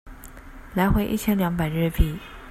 來回一千兩百日幣